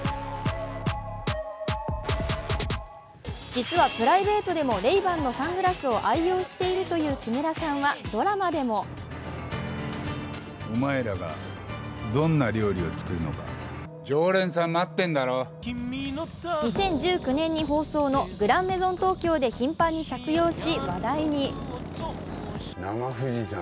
実はプライベートでもＲａｙ−Ｂａｎのサングラスを愛用しているという木村さんはドラマでも２０１９年に放送した「グランメゾン東京」で頻繁に着用し、話題に。